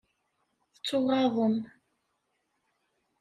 Tettuɣaḍem.